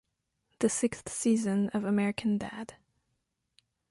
The sixth season of American Dad.